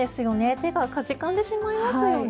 手がかじかんでしまいますよね。